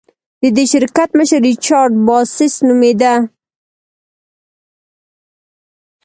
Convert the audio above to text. د دې شرکت مشر ریچارډ باسس نومېده.